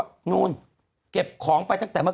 คุณหนุ่มกัญชัยได้เล่าใหญ่ใจความไปสักส่วนใหญ่แล้ว